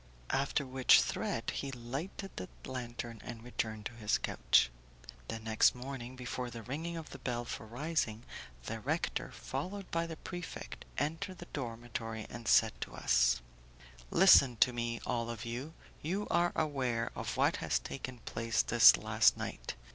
After which threat he lighted the lantern and retired to his couch. The next morning, before the ringing of the bell for rising, the rector, followed by the prefect, entered the dormitory, and said to us: "Listen to me, all of you. You are aware of what has taken place this last night.